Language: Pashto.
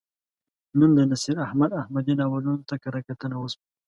نن د نصیر احمد احمدي ناولونو ته کرهکتنه وشوه.